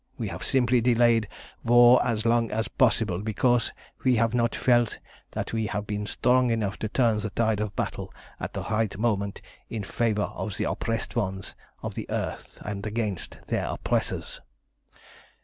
We have simply delayed war as long as possible, because we have not felt that we have been strong enough to turn the tide of battle at the right moment in favour of the oppressed ones of the earth and against their oppressors.